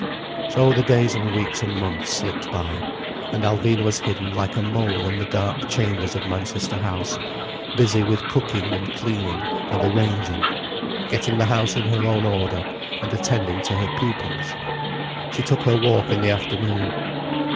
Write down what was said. So the days and weeks and months slipped by, and Alvina was hidden like a mole in the dark chambers of Manchester House, busy with cooking and cleaning and arranging, getting the house in her own order, and attending to her pupils. She took her walk in the afternoon.